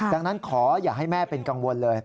ดังนั้นขออย่าให้แม่เป็นกังวลเลย